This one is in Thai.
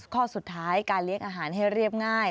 ข้อสุดท้ายการเลี้ยงอาหารให้เรียบง่าย